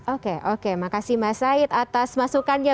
oke oke makasih mas said atas masukan ya